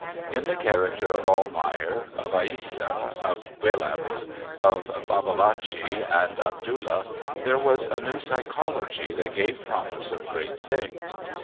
In the character of Almayer, of Aissa, of Willems, of Babalatchi and Abdulla there was a new psychology that gave promise of great things.